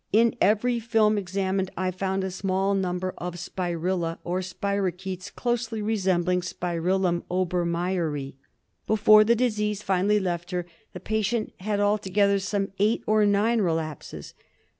In every film examined I found a small number of spirilla, or spirochfetes, closely resembling Spirillum obermeieri. Before the disease finally left her the patient had altogether some eight or nine relapses.